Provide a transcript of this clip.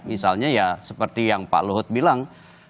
misalnya ya seperti yang pak luhut bilang